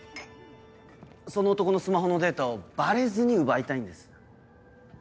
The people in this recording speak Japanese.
その男のスマホのデータをバレずに奪いたいんです。